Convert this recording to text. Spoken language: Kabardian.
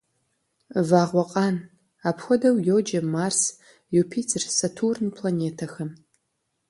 Вагъуэкъан – апхуэдэу йоджэ Марс, Юпитер, Сатурн планетэхэм.